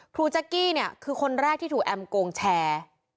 แจ๊กกี้เนี่ยคือคนแรกที่ถูกแอมโกงแชร์